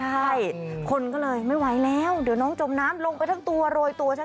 ใช่คนก็เลยไม่ไหวแล้วเดี๋ยวน้องจมน้ำลงไปทั้งตัวโรยตัวฉัน